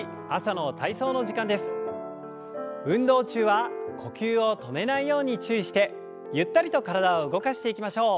運動中は呼吸を止めないように注意してゆったりと体を動かしていきましょう。